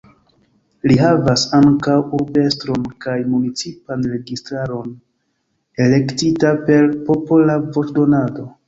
Ii havas ankaŭ urbestron kaj municipan registaron, elektita per popola voĉdonado.